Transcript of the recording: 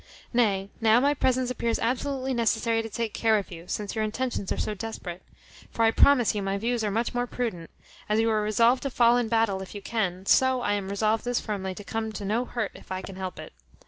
Nay, now my presence appears absolutely necessary to take care of you, since your intentions are so desperate; for I promise you my views are much more prudent; as you are resolved to fall in battle if you can, so I am resolved as firmly to come to no hurt if I can help it.